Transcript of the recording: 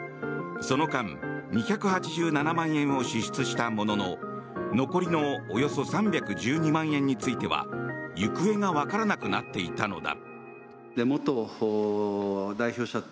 その間２８７万円を支出したものの残りのおよそ３１２万円については行方がわからなくなっていたのだ。